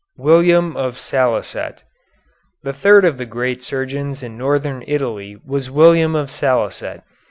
WILLIAM OF SALICET The third of the great surgeons in northern Italy was William of Salicet.